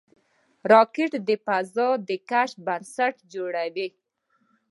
راکټ د فضا د کشف بنسټ جوړ کړ